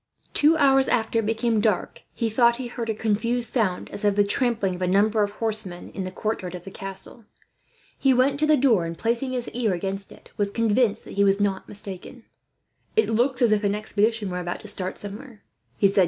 Two hours after it became dark he thought he heard a confused sound, as of the trampling of a number of horsemen in the courtyard of the castle. He went to the door and, placing his ear against it, was convinced that he was not mistaken. "That looks as if an expedition were about to start somewhere," he said.